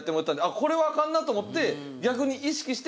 これはあかんなと思って。